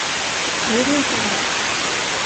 Bor du inte här?